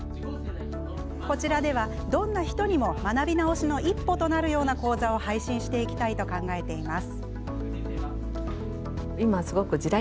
こちらでは、どんな人にも学び直しの一歩となるような講座を配信していきたいと考えています。